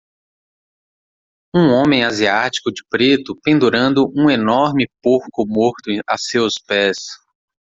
Um homem asiático de preto pendurando um enorme porco morto a seus pés.